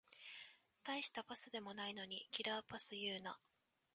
たいしたパスでもないのにキラーパス言うな